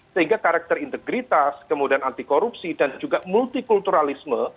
sehingga karakter integritas kemudian anti korupsi dan juga multikulturalisme